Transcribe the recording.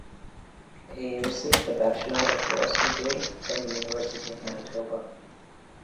He received a Bachelor of Laws degree from the University of Manitoba.